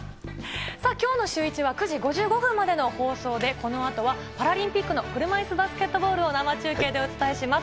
きょうのシューイチは９時５５分までの放送で、このあとはパラリンピックの車いすバスケットボールを生中継でお伝えします。